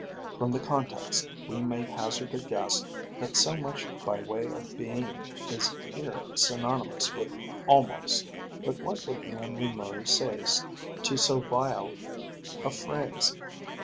From the context we may hazard a guess that so much by way of being is here synonymous with almost. But what would Lindley Murray say to so vile a phrase?